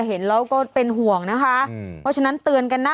เห็นแล้วก็เป็นห่วงนะคะเพราะฉะนั้นเตือนกันนะ